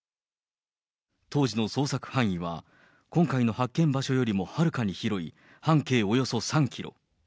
当時の捜索範囲は、今回の発見場所よりもはるかに広い、半径およそ３キロ。